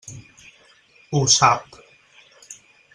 Ho sap.